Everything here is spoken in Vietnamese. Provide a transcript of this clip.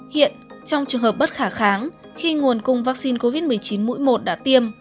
hiện trong trường hợp bất khả kháng khi nguồn cung vaccine covid một mươi chín mũi một đã tiêm